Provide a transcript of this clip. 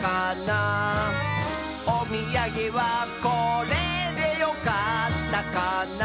「おみやげはこれでよかったかな」